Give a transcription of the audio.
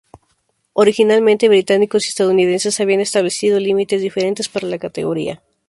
Originalmente británicos y estadounidenses habían establecido límites diferentes para la categoría.